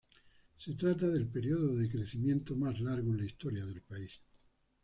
Se trata del período de crecimiento más largo en la historia del país.